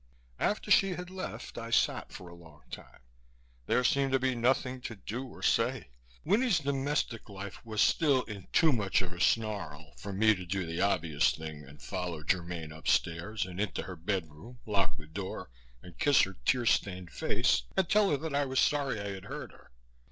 After she had left, I sat for a long time. There seemed to be nothing to do or say. Winnie's domestic life was still in too much of a snarl for me to do the obvious thing and follow Germaine upstairs, and into her bedroom, lock the door, and kiss her tear stained face and tell her that I was sorry I had hurt her....